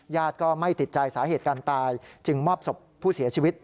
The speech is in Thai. ก็ไม่ติดใจสาเหตุการตายจึงมอบศพผู้เสียชีวิต